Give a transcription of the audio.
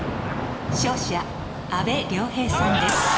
勝者阿部亮平さんです。